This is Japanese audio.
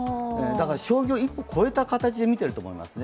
将棋を一歩越えた形で見ていると思いますね。